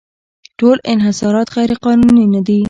ټول انحصارات غیرقانوني نه دي.